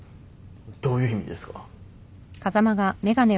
どういう意味ですか？